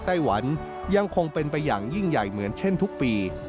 ไต้หวันยังคงเป็นไปอย่างยิ่งใหญ่เหมือนเช่นทุกปี